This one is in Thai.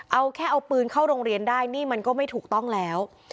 เอาแค่เอาปืนเข้าโรงเรียนได้นี่มันก็ไม่ถูกต้องแล้ว